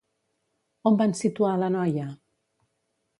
On van situar a la noia?